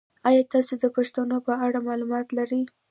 ایا تاسو د پښتنو په اړه معلومات لرئ؟